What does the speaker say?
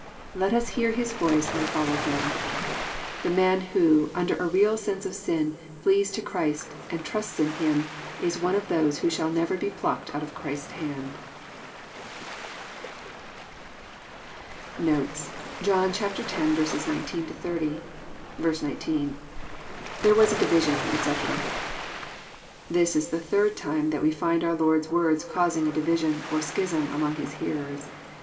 Let us hear His voice and follow Him. The man who, under a real sense of sin, flees to Christ and trusts in Him, is one of those who shall never be plucked out of Christ's hand. Notes. John X. 19—30. 19.— [TAere was a division, etc.'] This is the third time that we find our Lord's words causing a division, or schism, among His hearers.